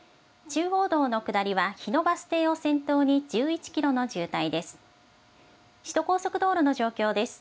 中央道の下りは日野バス停を先頭に１１キロの渋滞です。